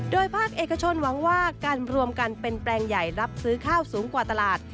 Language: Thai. โดยภาคเอกชนหวังว่าการรวมกันเป็นแปลงใหญ่รับซื้อข้าวสูงกว่าตลาด